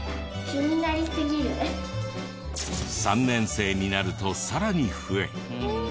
３年生になるとさらに増え。